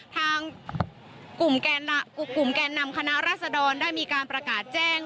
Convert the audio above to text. ทางกลุ่มแกนนำคณะรัศดรได้มีการประกาศแจ้ง